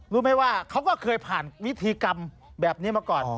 รู้ไหมว่าเขาก็เคยผ่านวิธีกรรมแบบนี้มาก่อน